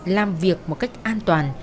làm việc một cách an toàn